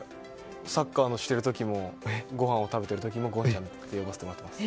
サッカーしている時もごはんを食べている時もゴンちゃんって呼ばせてもらっています。